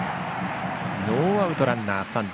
ノーアウトランナー、三塁。